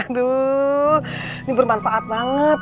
aduh ini bermanfaat banget